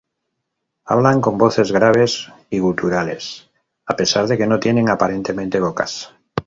Hablan con voces graves y guturales a pesar de que no tienen aparentemente bocas.